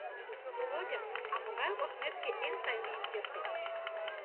Володя, а могай отметке эн сай лийын кертеш?